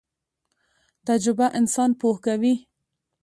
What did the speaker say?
تجربه انسان پوه کوي